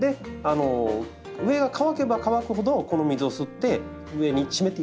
上が乾けば乾くほどこの水を吸って上に湿っていくんですね。